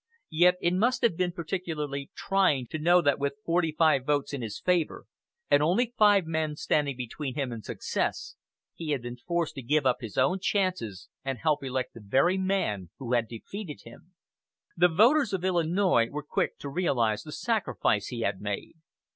Yet it must have been particularly trying to know that with forty five votes in his favor, and only five men standing between him and success, he had been forced to give up his own chances and help elect the very man who had defeated him. The voters of Illinois were quick to realize the sacrifice he had made.